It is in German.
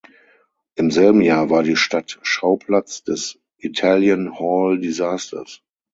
Im selben Jahr war die Stadt Schauplatz des Italian Hall Disasters.